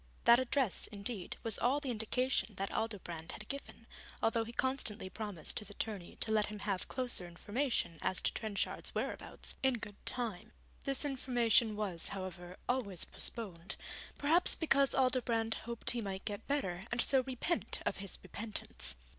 That address, indeed, was all the indication that Aldobrand had given, though he constantly promised his attorney to let him have closer information as to Trenchard's whereabouts, in good time. This information was, however, always postponed, perhaps because Aldobrand hoped he might get better and so repent of his repentance.